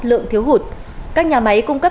lượng thiếu hụt các nhà máy cung cấp